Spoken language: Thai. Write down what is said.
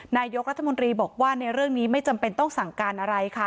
นายกรัฐมนตรีบอกว่าในเรื่องนี้ไม่จำเป็นต้องสั่งการอะไรค่ะ